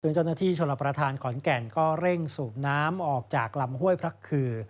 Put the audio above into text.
เจ้าหน้าที่ชลประธานขอนแก่นก็เร่งสูบน้ำออกจากลำห้วยพระคือ